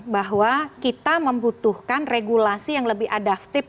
bahwa kita membutuhkan regulasi yang lebih adaptif